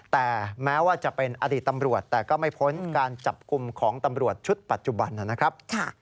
แต่แม้ว่าจะเป็นอดีตตำรวจแต่ก็ไม่พ้นการจับกลุ่มของตำรวจชุดปัจจุบันนะครับ